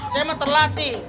saya mah terlatih